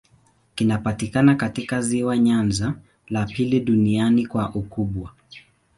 Kinapatikana katika ziwa Nyanza, la pili duniani kwa ukubwa.